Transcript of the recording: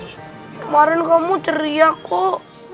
kemarin kamu ceriak kok